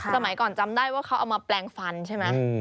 สมัยก่อนจำได้ว่าเขาเอามาแปลงฟันใช่ไหม